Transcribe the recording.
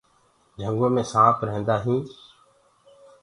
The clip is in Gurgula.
جِهنگو مي سآنپ رهيندآ هينٚ۔